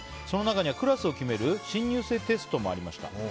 その中にはクラスを決める新入生テストもありました。